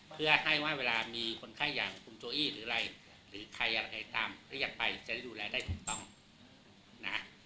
เพื่อให้ว่าเวลามีคนไข้อย่างคุณโจอี้หรืออะไรหรือใครอะไรใดตามที่อยากไปจะได้ดูแลได้ถูกต้องนะ